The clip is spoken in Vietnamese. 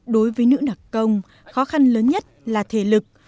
đối với nữ đặc công khó khăn lớn nhất là thể lực